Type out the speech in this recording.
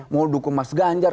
mau dukung mas ganjar